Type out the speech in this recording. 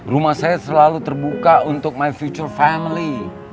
rumah saya selalu terbuka untuk my future family